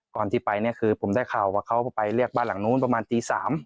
ที่ไปเนี่ยคือผมได้ข่าวว่าเขาไปเรียกบ้านหลังนู้นประมาณตี๓